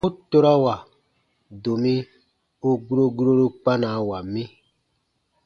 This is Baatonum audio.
U torawa, domi u guro guroru kpanawa mi.